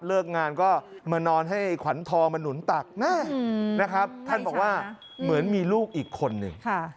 เลิกงานก็มานอนให้ขวัญทองมาหนุนตักนะครับท่านบอกว่าเหมือนมีลูกอีกคนหนึ่ง